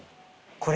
これ。